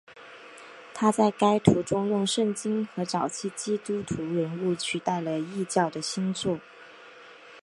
他在该图中用圣经和早期基督徒人物取代了异教的星座。